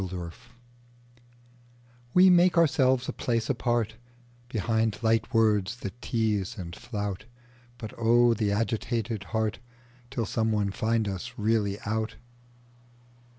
Revelation WE make ourselves a place apartBehind light words that tease and flout, But oh, the agitated heartTill someone find us really out.